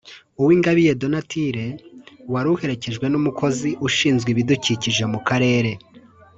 Uwingabiye Donatille wari uherekejwe n’umukozi ushinzwe ibidukikije mu karere